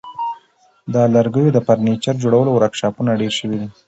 د لرګیو د فرنیچر جوړولو ورکشاپونه ډیر شوي دي.